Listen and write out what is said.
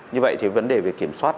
như vậy thì vấn đề về kiểm soát